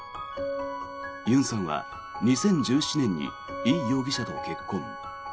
ユンさんは２０１７年にイ容疑者と結婚。